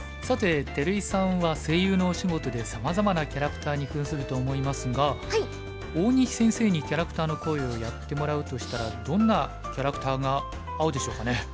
さて照井さんは声優のお仕事でさまざまなキャラクターにふんすると思いますが大西先生にキャラクターの声をやってもらうとしたらどんなキャラクターが合うでしょうかね。